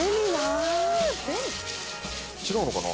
違うのかな？